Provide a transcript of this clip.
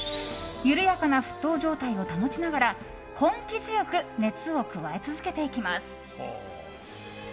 緩やかな沸騰状態を保ちながら根気強く熱を加え続けていきます。